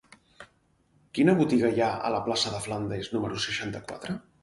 Quina botiga hi ha a la plaça de Flandes número seixanta-quatre?